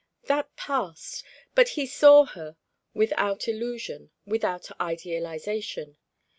That passed; but he saw her without illusion, without idealisation.